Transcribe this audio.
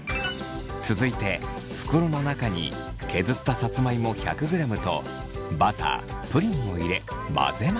続いて袋の中に削ったさつまいも１００ｇとバタープリンを入れ混ぜます。